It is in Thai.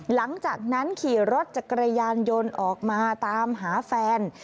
หลังจากนั้นขี่รถจักรยานยนต์ออกมาตามหาแฟน